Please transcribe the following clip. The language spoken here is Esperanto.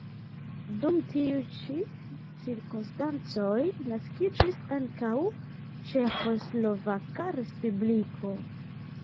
Dum tiuj ĉi cirkonstancoj naskiĝis ankaŭ Ĉeĥoslovaka respubliko.